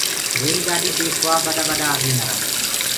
ريل گآڏي ديکوآ ٻڏآ ڀڏآ آدمي آرآ۔